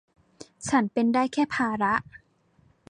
ฉันเป็นได้แค่ภาระ